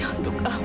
bu mau bersuka suka